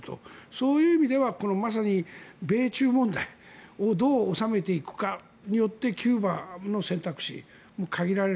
そういう意味では米中問題をどう収めていくかによってキューバの選択肢も限られる。